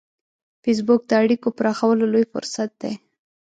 فېسبوک د اړیکو پراخولو لوی فرصت دی